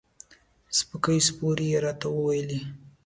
سپکې سپورې یې راته وویلې.